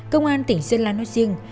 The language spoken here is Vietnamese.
công an tỉnh sơn lan nói riêng